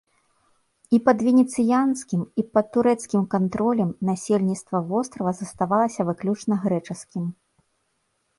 І пад венецыянскім і пад турэцкім кантролем насельніцтва вострава заставалася выключна грэчаскім.